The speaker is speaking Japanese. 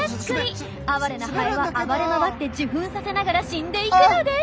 哀れなハエは暴れ回って受粉させながら死んでいくのです。